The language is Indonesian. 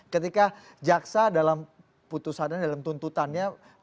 ketika jaksa dalam putusan dan dalam tuntutannya